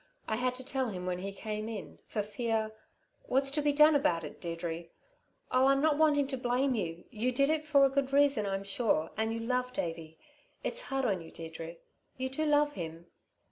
I had to tell him when he came in, for fear What's to be done about it, Deirdre? Oh, I'm not wanting to blame you. You did it for a good reason, I'm sure, and you love Davey. It's hard on you, Deirdre. You do love him?"